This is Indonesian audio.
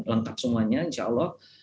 lengkap semuanya insya allah